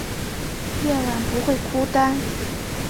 夜晚不会孤单